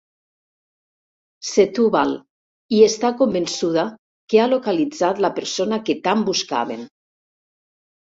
Setúbal, i està convençuda que ha localitzat la persona que tant buscaven.